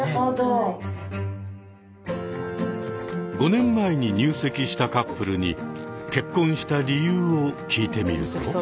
５年前に入籍したカップルに結婚した理由を聞いてみると？